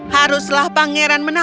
haruslah pangeran menawan